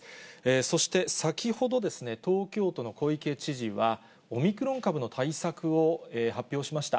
そして先ほど、東京都の小池知事は、オミクロン株の対策を発表しました。